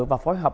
và phối hợp